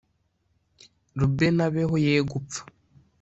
Rubeni abeho ye gupfa